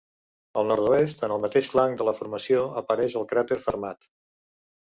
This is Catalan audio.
Al nord-oest en el mateix flanc de la formació apareix el cràter Fermat.